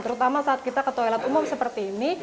terutama saat kita ke toilet umum seperti ini